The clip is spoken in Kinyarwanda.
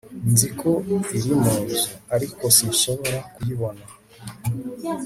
nzi ko iri mu nzu, ariko sinshobora kuyibona